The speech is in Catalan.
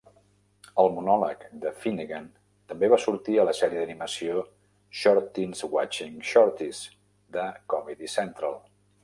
El monòleg de Finnegan també va sortir a la sèrie d'animació 'Shorties Watchin' Shorties' de Comedy Central.